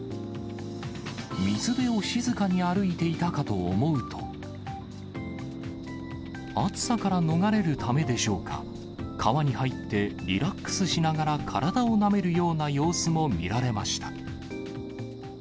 水辺を静かに歩いていたかと思うと、暑さから逃れるためでしょうか、川に入って、リラックスしながら体をなめるような様子も見られました。